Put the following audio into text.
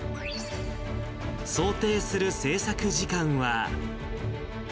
想定する制作時間は。